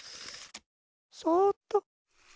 そっと。